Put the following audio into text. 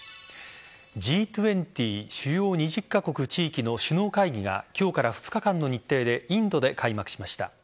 Ｇ２０＝主要２０カ国・地域の首脳会議が今日から２日間の日程でインドで開幕しました。